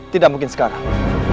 tidak mungkin sekarang